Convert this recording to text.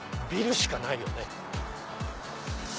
ビルしかないよね。